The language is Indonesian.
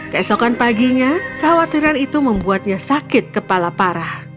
keesokan paginya kekhawatiran itu membuatnya sakit kepala parah